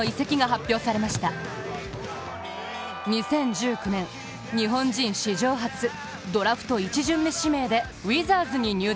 ２０１９年、日本人史上初、ドラフト１巡目指名でウィザーズに入団。